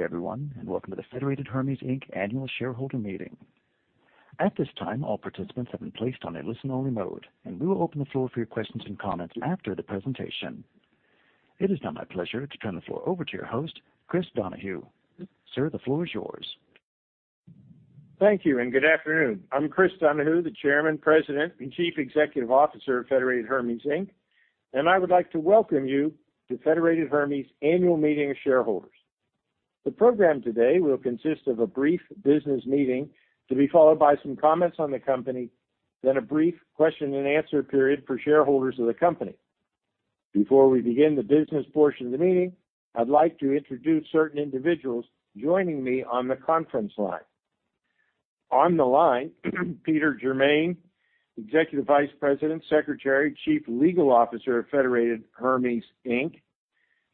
Good day, everyone, and welcome to the Federated Hermes, Inc. Annual Shareholder Meeting. At this time, all participants have been placed on a listen-only mode, and we will open the floor for your questions and comments after the presentation. It is now my pleasure to turn the floor over to your host, Chris Donahue. Sir, the floor is yours. Thank you and good afternoon. I'm Chris Donahue, the Chairman, President, and Chief Executive Officer of Federated Hermes, Inc. I would like to welcome you to Federated Hermes Annual Meeting of Shareholders. The program today will consist of a brief business meeting to be followed by some comments on the company, then a brief question and answer period for shareholders of the company. Before we begin the business portion of the meeting, I'd like to introduce certain individuals joining me on the conference line. On the line, Peter Germain, Executive Vice President, Secretary, Chief Legal Officer of Federated Hermes, Inc.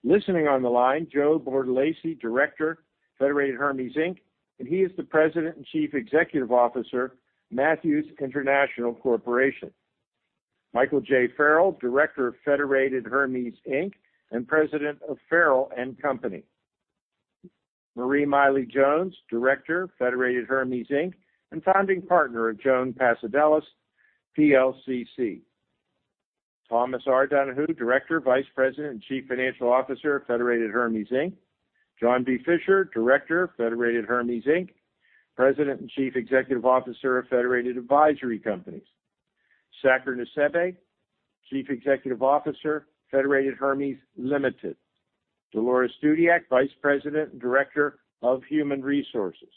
Listening on the line, Joe Bartolacci, Director, Federated Hermes, Inc., and he is the President and Chief Executive Officer, Matthews International Corporation. Michael J. Farrell, Director of Federated Hermes, Inc. and President of Farrell & Company. Marie Milie Jones, Director, Federated Hermes, Inc., and Founding Partner of Jones Passodelis, PLLC. Thomas R. Donahue, Director, Vice President, and Chief Financial Officer of Federated Hermes, Inc. John B. Fisher, Director, Federated Hermes, Inc., President and Chief Executive Officer of Federated Advisory Companies. Saker Nusseibeh, Chief Executive Officer, Federated Hermes Limited. Dolores Dudiak, Vice President and Director of Human Resources.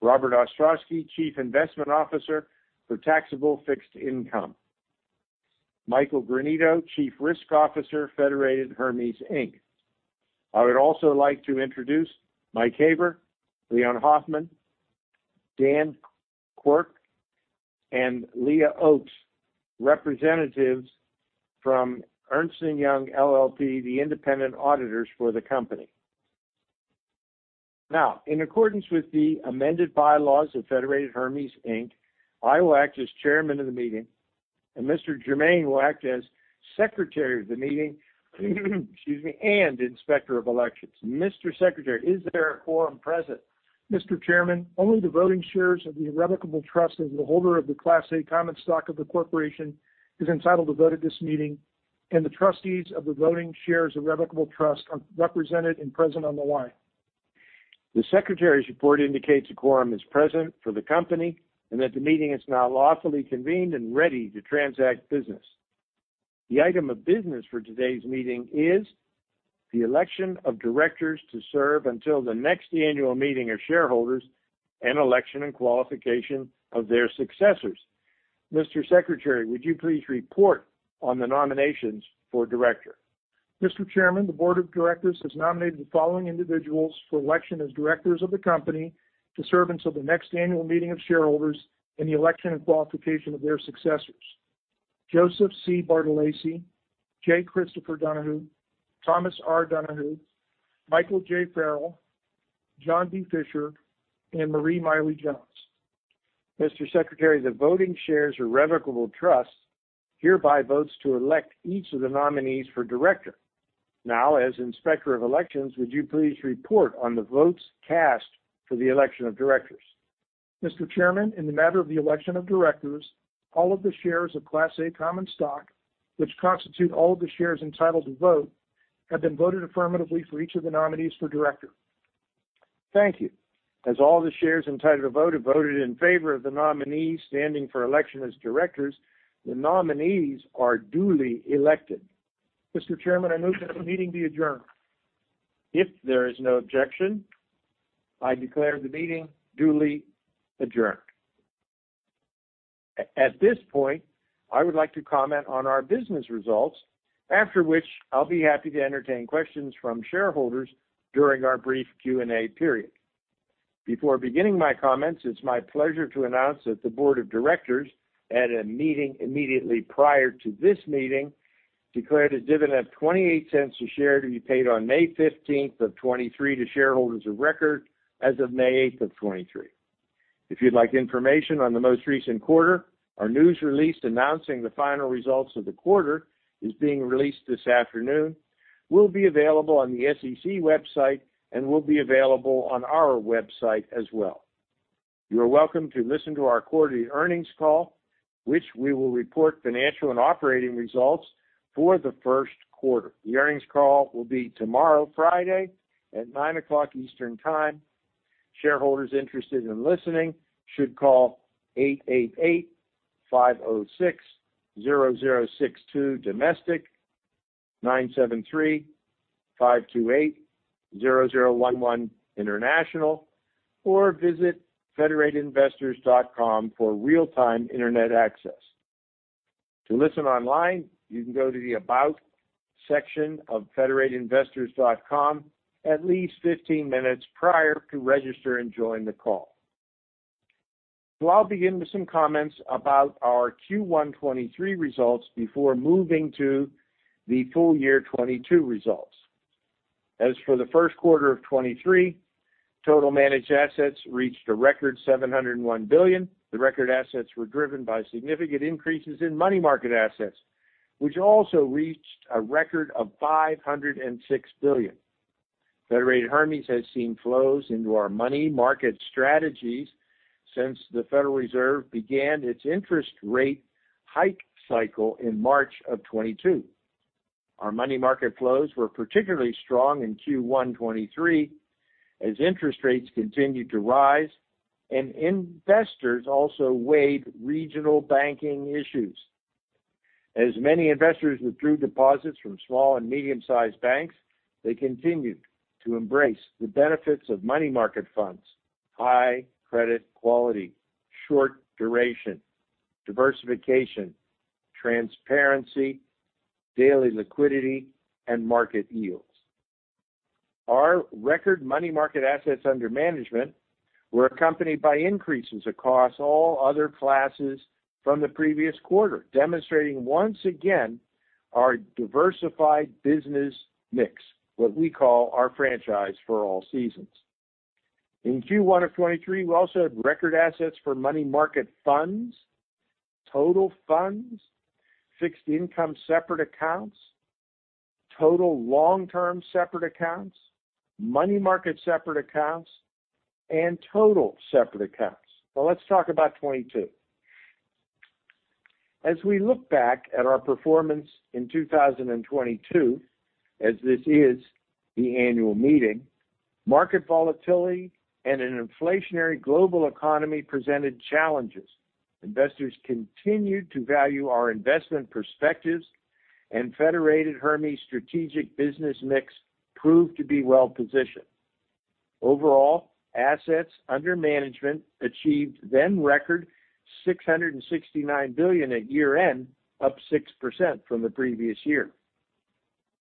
Robert Ostrowski, Chief Investment Officer for Taxable Fixed Income. Michael Granito, Chief Risk Officer, Federated Hermes, Inc. I would also like to introduce Mike Haber, Leon Hoffman, Dan Quirk, and Leah Oakes, representatives from Ernst & Young LLP, the independent auditors for the company. Now, in accordance with the amended bylaws of Federated Hermes, Inc., I will act as Chairman of the meeting, and Mr. Germain will act as Secretary of the meeting excuse me, and Inspector of Elections. Mr. Secretary, is there a quorum present? Mr. Chairman, only the voting shares of the irrevocable trust of the holder of the Class A common stock of the corporation is entitled to vote at this meeting. The trustees of the voting shares irrevocable trust are represented and present on the line. The secretary's report indicates a quorum is present for the company and that the meeting is now lawfully convened and ready to transact business. The item of business for today's meeting is the election of directors to serve until the next annual meeting of shareholders and election and qualification of their successors. Mr. Secretary, would you please report on the nominations for director? Mr. Chairman, the board of directors has nominated the following individuals for election as directors of the company to serve until the next annual meeting of shareholders and the election and qualification of their successors. Joseph C. Bartolacci, J. Christopher Donahue, Thomas R. Donahue, Michael J. Farrell, John B. Fisher, and Marie Milie Jones. Mr. Secretary, the voting shares irrevocable trust hereby votes to elect each of the nominees for director. Now, as Inspector of Elections, would you please report on the votes cast for the election of directors? Mr. Chairman, in the matter of the election of directors, all of the shares of Class A common stock, which constitute all of the shares entitled to vote, have been voted affirmatively for each of the nominees for director. Thank you. As all the shares entitled to vote have voted in favor of the nominees standing for election as directors, the nominees are duly elected. Mr. Chairman, I move that the meeting be adjourned. If there is no objection, I declare the meeting duly adjourned. At this point, I would like to comment on our business results, after which I'll be happy to entertain questions from shareholders during our brief Q&A period. Before beginning my comments, it's my pleasure to announce that the board of directors, at a meeting immediately prior to this meeting, declared a dividend of $0.28 a share to be paid on May 15, 2023 to shareholders of record as of May 8, 2023. If you'd like information on the most recent quarter, our news release announcing the final results of the quarter is being released this afternoon, will be available on the SEC website and will be available on our website as well. You are welcome to listen to our quarterly earnings call, which we will report financial and operating results for the first quarter. The earnings call will be tomorrow, Friday, at 9:00 A.M. Eastern Time. Shareholders interested in listening should call 888-506-0062 domestic, 973-528-0011 international, or visit federatedinvestors.com for real-time internet access. To listen online, you can go to the About section of federatedinvestors.com at least 15 minutes prior to register and join the call. I'll begin with some comments about our Q1 23 results before moving to the full year 22 results. As for the first quarter of 23, total managed assets reached a record $701 billion. The record assets were driven by significant increases in money market assets, which also reached a record of $506 billion. Federated Hermes has seen flows into our money market strategies since the Federal Reserve began its interest rate hike cycle in March of 2022. Our money market flows were particularly strong in Q1 2023 as interest rates continued to rise and investors also weighed regional banking issues. As many investors withdrew deposits from small and medium-sized banks, they continued to embrace the benefits of money market funds, high credit quality, short duration, diversification, transparency, daily liquidity, and market yields. Our record money market assets under management were accompanied by increases across all other classes from the previous quarter, demonstrating once again our diversified business mix, what we call our franchise for all seasons. In Q1 of 2023, we also had record assets for money market funds, total funds, fixed income separate accounts, total long-term separate accounts, money market separate accounts, and total separate accounts. Now let's talk about 2022. As we look back at our performance in 2022, as this is the annual meeting, market volatility and an inflationary global economy presented challenges. Investors continued to value our investment perspectives and Federated Hermes strategic business mix proved to be well-positioned. Overall, assets under management achieved then record $669 billion at year-end, up 6% from the previous year.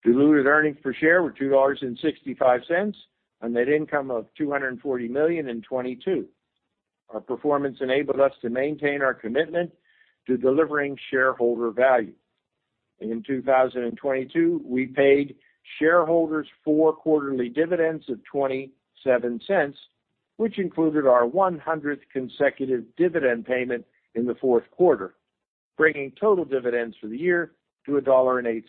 Diluted earnings per share were $2.65 on net income of $240 million in 2022. Our performance enabled us to maintain our commitment to delivering shareholder value. In 2022, we paid shareholders 4 quarterly dividends of $0.27, which included our 100th consecutive dividend payment in the fourth quarter, bringing total dividends for the year to $1.08.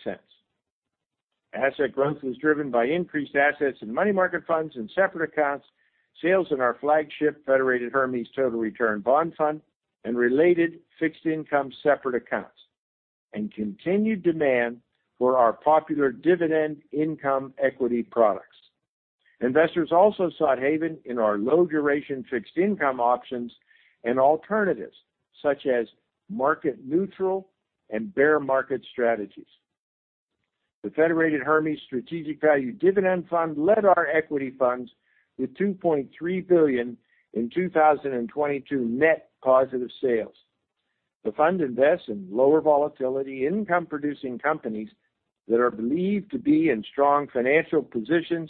Asset growth was driven by increased assets in money market funds and separate accounts, sales in our flagship Federated Hermes Total Return Bond Fund, and related fixed income separate accounts, and continued demand for our popular dividend income equity products. Investors also sought haven in our low-duration fixed income options and alternatives, such as market neutral and bear market strategies. The Federated Hermes Strategic Value Dividend Fund led our equity funds with $2.3 billion in 2022 net positive sales. The fund invests in lower volatility income-producing companies that are believed to be in strong financial positions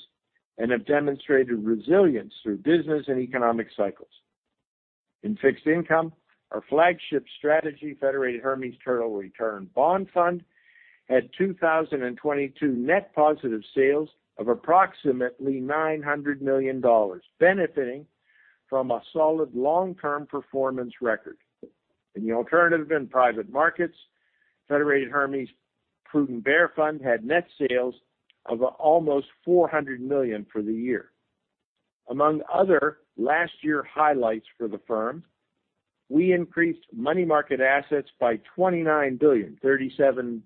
and have demonstrated resilience through business and economic cycles. In fixed income, our flagship strategy, Federated Hermes Total Return Bond Fund, had 2022 net positive sales of approximately $900 million, benefiting from a solid long-term performance record. In the alternative and private markets, Federated Hermes Prudent Bear Fund had net sales of almost $400 million for the year. Among other last year highlights for the firm, we increased money market assets by $29 billion, 37%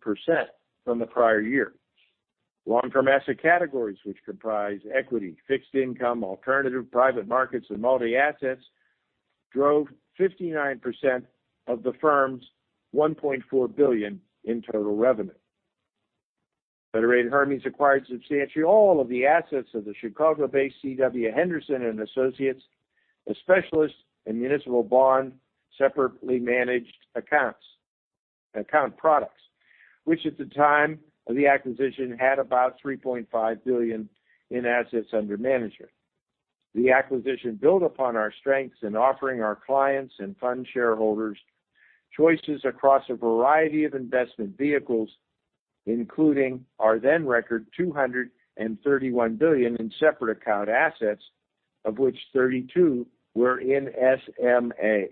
from the prior year. Long-term asset categories, which comprise equity, fixed income, alternative private markets, and multi-assets, drove 59% of the firm's $1.4 billion in total revenue. Federated Hermes acquired substantially all of the assets of the Chicago-based C.W. Henderson & Associates, a specialist in municipal bond separately managed account products, which at the time of the acquisition, had about $3.5 billion in assets under management. The acquisition built upon our strengths in offering our clients and fund shareholders choices across a variety of investment vehicles, including our then record $231 billion in separate account assets, of which $32 billion were in SMAs.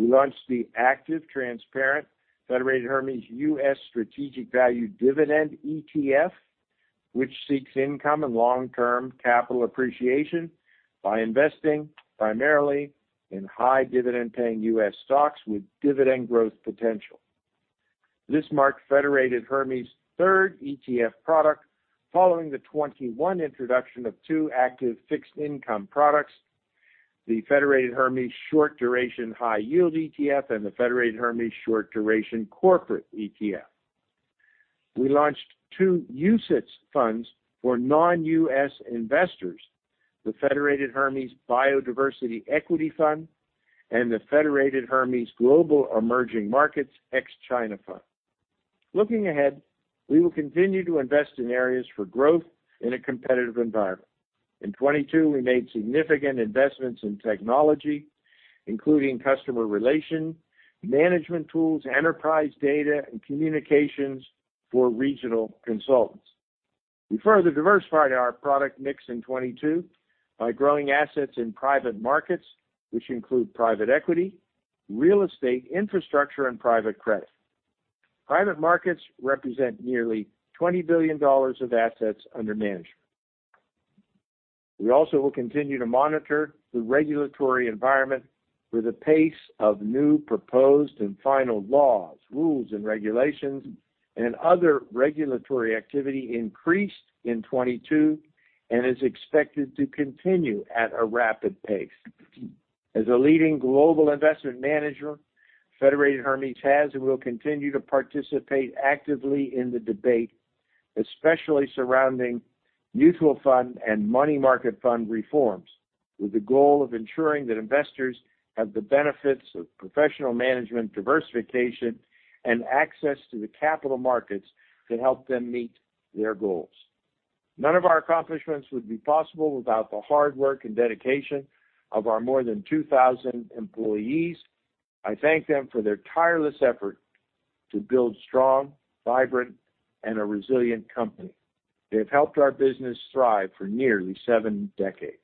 We launched the active, transparent Federated Hermes U.S. Strategic Dividend ETF, which seeks income and long-term capital appreciation by investing primarily in high dividend-paying U.S. stocks with dividend growth potential. This marked Federated Hermes' third ETF product, following the 2021 introduction of two active fixed income products, the Federated Hermes Short Duration High Yield ETF and the Federated Hermes Short Duration Corporate ETF. We launched two UCITS funds for non-U.S. investors, the Federated Hermes Biodiversity Equity Fund and the Federated Hermes Global Emerging Markets ex-China Equity Fund. Looking ahead, we will continue to invest in areas for growth in a competitive environment. In 2022, we made significant investments in technology, including customer relation, management tools, enterprise data, and communications for regional consultants. We further diversified our product mix in 2022 by growing assets in private markets, which include private equity, real estate, infrastructure, and private credit. Private markets represent nearly $20 billion of assets under management. We also will continue to monitor the regulatory environment where the pace of new proposed and final laws, rules, and regulations, and other regulatory activity increased in 2022 and is expected to continue at a rapid pace. As a leading global investment manager, Federated Hermes has and will continue to participate actively in the debate, especially surrounding mutual fund and money market fund reforms, with the goal of ensuring that investors have the benefits of professional management, diversification, and access to the capital markets to help them meet their goals. None of our accomplishments would be possible without the hard work and dedication of our more than 2,000 employees. I thank them for their tireless effort to build strong, vibrant, and a resilient company. They have helped our business thrive for nearly 7 decades.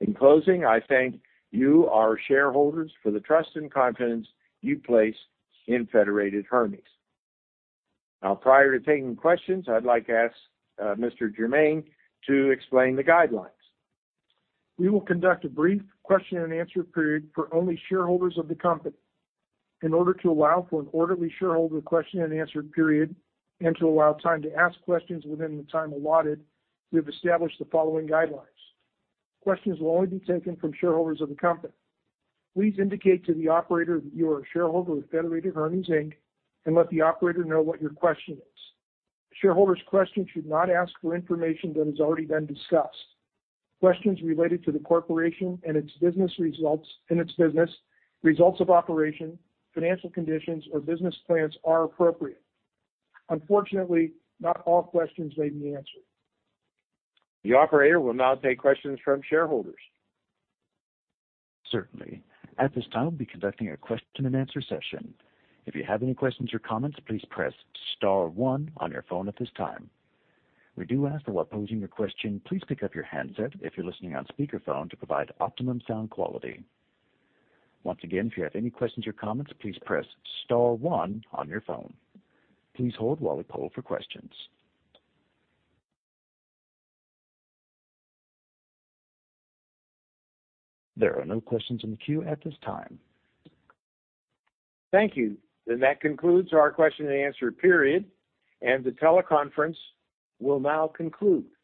In closing, I thank you, our shareholders, for the trust and confidence you place in Federated Hermes. Now, prior to taking questions, I'd like to ask Mr. Germain to explain the guidelines. We will conduct a brief question and answer period for only shareholders of the company. In order to allow for an orderly shareholder question and answer period, and to allow time to ask questions within the time allotted, we have established the following guidelines. Questions will only be taken from shareholders of the company. Please indicate to the operator that you are a shareholder of Federated Hermes, Inc., and let the operator know what your question is. Shareholders questions should not ask for information that has already been discussed. Questions related to the corporation and its business, results of operation, financial conditions, or business plans are appropriate. Unfortunately, not all questions may be answered. The operator will now take questions from shareholders. Certainly. At this time, we'll be conducting a question and answer session. If you have any questions or comments, please press star one on your phone at this time. We do ask that while posing your question, please pick up your handset if you're listening on speakerphone to provide optimum sound quality. Once again, if you have any questions or comments, please press star one on your phone. Please hold while we poll for questions. There are no questions in the queue at this time. Thank you. That concludes our question and answer period, and the teleconference will now conclude. Good day